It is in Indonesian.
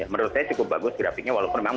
menurut saya cukup bagus grafiknya walaupun memang